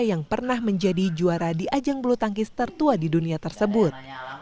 yang pernah menjadi juara di ajang bulu tangkis tertua di dunia tersebut